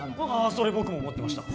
それ僕も思ってました。